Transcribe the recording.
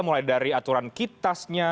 mulai dari aturan kitasnya